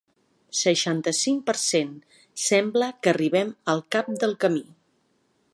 Seixanta-cinc per cent Sembla que arribem al cap del camí.